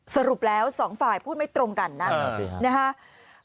สรุปแล้วสองฝ่ายพูดไม่ตรงกันนะครับ